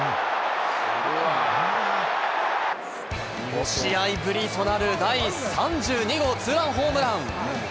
５試合ぶりとなる第３２号ツーランホームラン。